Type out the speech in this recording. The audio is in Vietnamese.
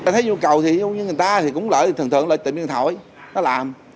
thấy nhu cầu thì như người ta thì cũng lợi thường thường lợi tìm điện thoại nó làm